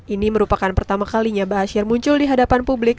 ini merupakan pertama kalinya bashir muncul di hadapan publik